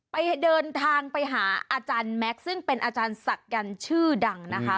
ไปเดินทางไปหาอาจารย์แม็กซ์ซึ่งเป็นอาจารย์ศักยันต์ชื่อดังนะคะ